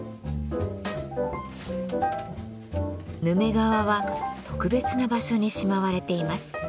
ヌメ革は特別な場所にしまわれています。